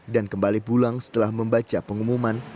dan kembali pulang setelah membaca pengumuman